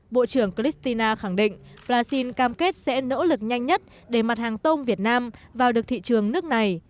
bộ trưởng cristina khẳng định brazil cam kết sẽ nỗ lực nhanh nhất để mặt hàng tôm việt nam vào được thị trường nước này